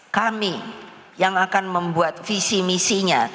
kami yang akan membuat visi misinya